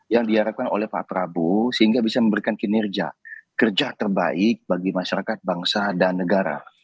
yang diharapkan oleh pak prabowo sehingga bisa memberikan kinerja kerja terbaik bagi masyarakat bangsa dan negara